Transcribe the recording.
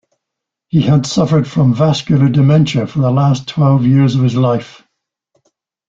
He had suffered from vascular dementia for the last twelve years of his life.